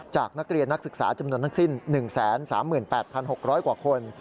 จากนักเรียนนักศึกษาจำนวนทั้งสิ้น๑๓๘๖๐๐กว่าคน